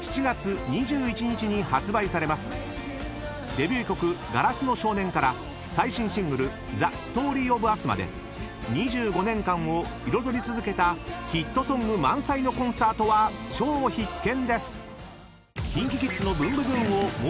［デビュー曲『硝子の少年』から最新シングル『ＴｈｅＳｔｏｒｙｏｆＵｓ』まで２５年間を彩り続けたヒットソング満載のコンサートは超必見です］